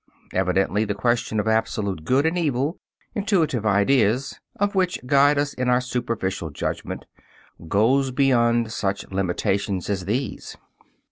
Evidently, the question of absolute good and evil, intuitive ideas of which guide us in our superficial judgment, goes beyond such limitations as these.